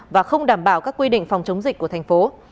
và không đảm bảo các quy định phòng chống dịch của thành phố